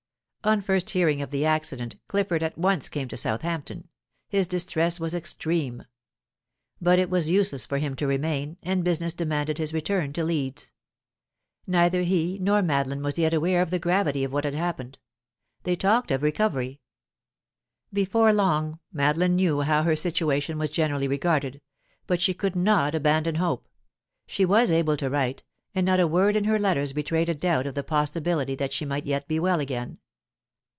On first hearing of the accident, Clifford at once came to Southampton; his distress was extreme. But it was useless for him to remain, and business demanded his return to Leeds. Neither he nor Madeline was yet aware of the gravity of what had happened; they talked of recovery. Before long Madeline knew how her situation was generally regarded, but she could not abandon hope; she was able to write, and not a word in her letters betrayed a doubt of the possibility that she might yet be well again.